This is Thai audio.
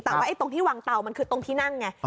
แต่ว่าตรงที่วางเตามันคือตรงที่นั่งไง